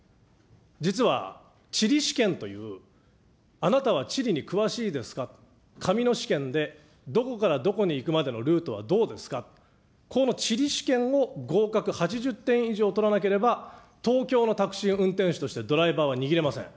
実は地理試験というあなたは地理に詳しいですか、紙の試験でどこからどこに行くまでのルートはどうですか、この地理試験を合格８０点以上取らなければ、東京のタクシー運転手としてドライバーは握れません。